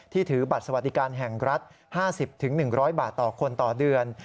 ถือบัตรสวัสดิการแห่งรัฐ๕๐๑๐๐บาทต่อคนต่อเดือน